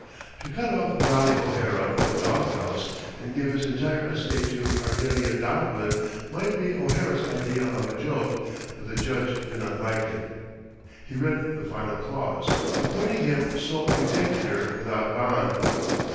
To cut off Dolly O'Hara with a dog house and give his entire estate to Ardelia Doblin might be O'Hara's idea of a joke, but the Judge did not like it. He read the final clause, appointing him sole executor without bond.